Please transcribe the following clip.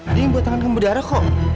ada yang buat tangankamu bedara kok